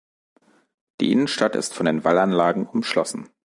Die Innenstadt ist von den Wallanlagen umschlossen.